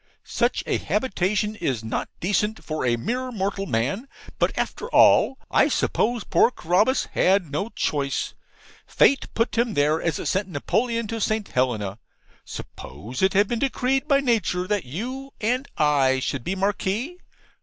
Such a habitation is not decent for a mere mortal man. But, after all, I suppose poor Carabas had no choice. Fate put him there as it sent Napoleon to St. Helena. Suppose it had been decreed by Nature that you and I should be Marquises?